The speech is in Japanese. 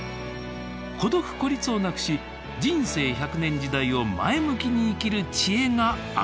孤独・孤立をなくし人生１００年時代を前向きに生きる知恵があふれています。